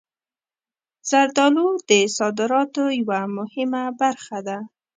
زردالو د صادراتو یوه مهمه برخه ده.